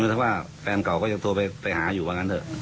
อ๋อหมายถึงว่าแฟนเก่าก็ยังโทรไปหาอยู่บางอย่างนั้นเถอะ